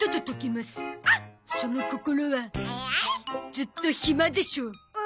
ずっとひまでしょう。